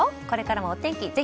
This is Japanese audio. これからもお天気